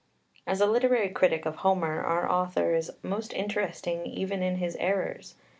] As a literary critic of Homer our author is most interesting even in his errors.